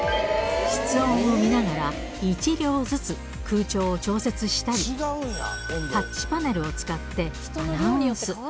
室温を見ながら、１両ずつ空調を調節したり、タッチパネルを使って、アナウンス。